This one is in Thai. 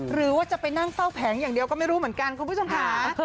หรือว่าจะไปนั่งเฝ้าแผงอย่างเดียวก็ไม่รู้เหมือนกันคุณผู้ชมค่ะ